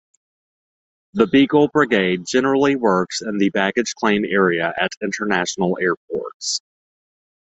The Beagle Brigade generally works in the baggage-claim area at international airports.